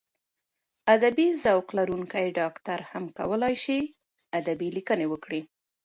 ادبي ذوق لرونکی ډاکټر هم کولای شي ادبي لیکنې وکړي.